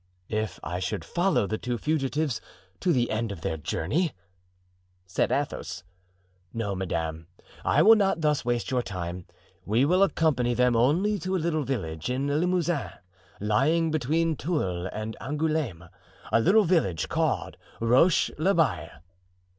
"If I should follow the two fugitives to the end of their journey?" said Athos. "No, madame, I will not thus waste your time. We will accompany them only to a little village in Limousin, lying between Tulle and Angouleme—a little village called Roche l'Abeille."